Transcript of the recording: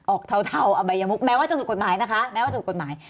ออกเทาแม้ว่าจะถูกกฎหมายนะคะแม้ว่าจะถูกกฎหมาย